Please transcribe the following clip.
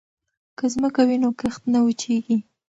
که ځمکه وي نو کښت نه وچيږي.